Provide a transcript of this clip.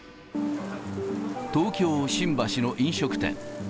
東京・新橋の飲食店。